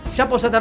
siap pak suter